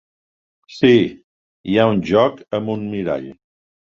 Sí, hi ha un joc amb un mirall.